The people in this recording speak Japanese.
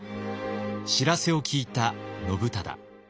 知らせを聞いた信忠。